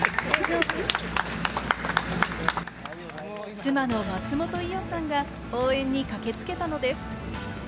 妻の松本伊代さんが応援に駆けつけたのです。